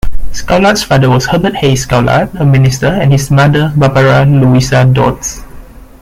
Scullard's father was Herbert Hayes Scullard, a minister, and his mother Barbara Louisa Dodds.